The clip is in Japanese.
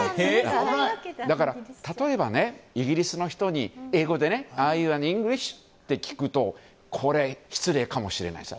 だから、例えばイギリスの人に英語で、アーユーイングリッシュ？って聞くとこれ、失礼かもしれないです。